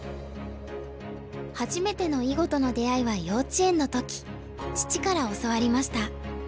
初めての囲碁との出会いは幼稚園の時父から教わりました。